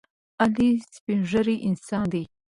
علي سپینزړی انسان دی.